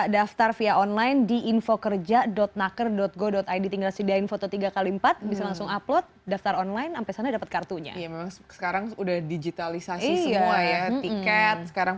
dodi wahyudi tanggerang